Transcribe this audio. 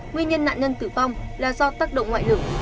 nguyên nhân nạn nhân tử vong là do tác động ngoại lực